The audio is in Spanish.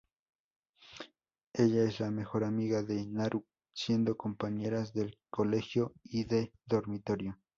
Ella es la mejor amiga de Naru, siendo compañeras de colegio y de dormitorio.